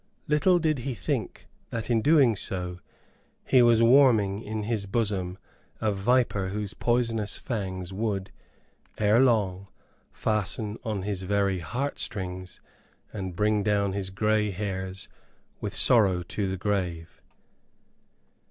Little did he think that in so doing he was warming in his bosom a viper whose poisonous fangs would, ere long, fasten on his very heart strings, and bring down his grey hairs with sorrow to the grave.